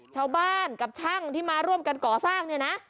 ชาวบ้านกับช่างที่มาร่วมกันก่อสร้างเนี่ยนะ